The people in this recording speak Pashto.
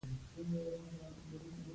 روژه د اسلام د ستنو څخه یوه ده.